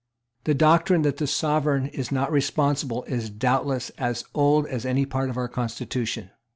The doctrine that the Sovereign is not responsible is doubtless as old as any part of our constitution.